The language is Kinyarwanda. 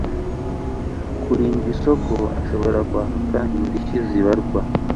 kurinda isoko ashobora kwaka indishyi zibarwa